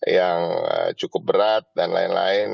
yang cukup berat dan lain lain